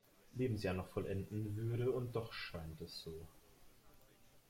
Lebensjahr noch vollenden würde und doch scheint es so.